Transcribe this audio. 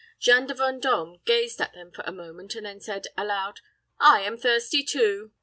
Jeanne de Vendôme gazed at them for a moment, and then said, aloud, "I am thirsty too."